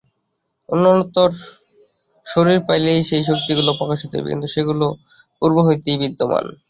উন্নততর শরীর পাইলেই সেই শক্তিগুলি প্রকাশিত হইবে, কিন্তু সেগুলি পূর্ব হইতেই বিদ্যমান।